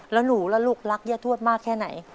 แล้วหนูล่ะลูกรักย่าทวดมากแค่ไหน